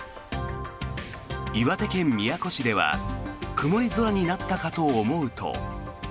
岩手県宮古市では曇り空になったかと思うと。